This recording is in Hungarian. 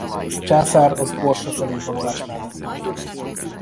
A császár az Orsa felé vonulás mellett döntött.